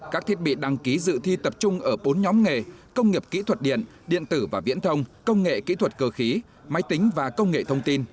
các thiết bị đăng ký dự thi tập trung ở bốn nhóm nghề công nghiệp kỹ thuật điện điện tử và viễn thông công nghệ kỹ thuật cơ khí máy tính và công nghệ thông tin